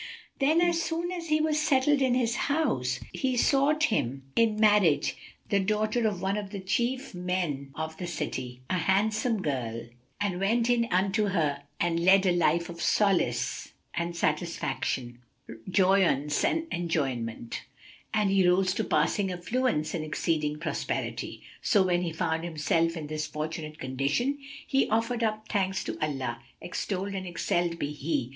Then, as soon as he was settled in his house, he sought him in marriage the daughter of one of the chief men of the city, a handsome girl, and went in unto her and led a life of solace and satisfaction, joyaunce and enjoyment; and he rose to passing affluence and exceeding prosperity. So, when he found himself in this fortunate condition, he offered up thanks to Allah (extolled and excelled be He!)